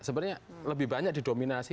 sebenarnya lebih banyak didominasi